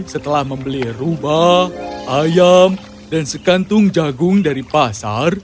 setelah membeli ruba ayam dan sekantung jagung dari pasar